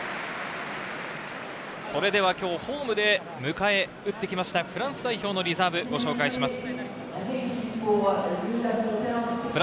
それでは今日、ホームで迎えうってきましたフランス代表のリザーブをご紹介します。